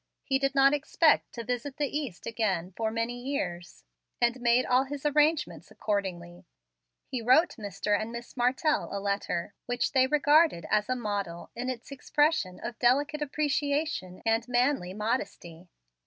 He did not expect to visit the East again for many years, and made all his arrangements accordingly. He wrote Mr. and Miss Martell a letter, which they regarded as a model in its expression of delicate appreciation and manly modesty.